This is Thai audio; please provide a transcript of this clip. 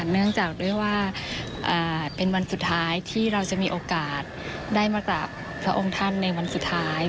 เนื่องจากด้วยว่าเป็นวันสุดท้ายที่เราจะมีโอกาสได้มากราบพระองค์ท่านในวันสุดท้าย